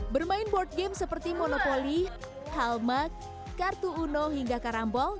bermain board game seperti monopoli halmak kartu uno hingga karambol